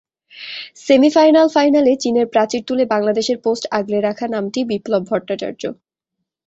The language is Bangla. সেমিফাইনাল-ফাইনালে চীনের প্রাচীর তুলে বাংলাদেশের পোস্ট আগলে রাখা নামটি বিপ্লব ভট্টাচার্য।